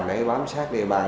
để bám sát địa bàn